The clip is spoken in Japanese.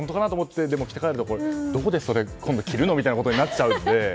それを着て帰るとどこで着るの？みたいなことになっちゃうんで。